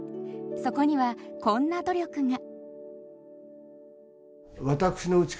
そこにはこんな努力が。